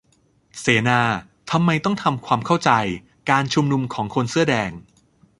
เสวนา : ทำไมต้องทำความเข้าใจการชุมนุมของคนเสื้อแดง